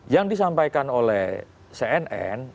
yang disampaikan oleh cnn